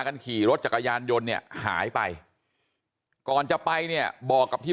กันขี่รถจักรยานยนต์เนี่ยหายไปก่อนจะไปเนี่ยบอกกับที่